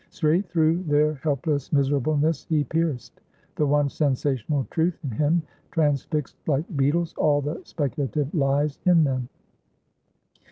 Straight through their helpless miserableness he pierced; the one sensational truth in him transfixed like beetles all the speculative lies in them.